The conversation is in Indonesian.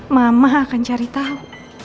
mama akan cari tau